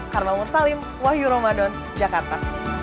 karmel mursalim wahyu ramadan jakarta